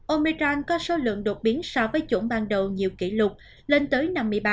omicron có số lượng đột biến so với chủng ban đầu nhiều kỷ lục lên tới năm mươi ba